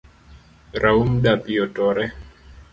Raum dapii otore